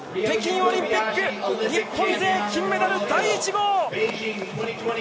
北京オリンピック、日本勢、金メダル第１号！